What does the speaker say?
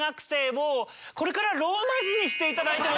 これからはローマ字にしていただいて。